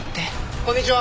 こんにちは！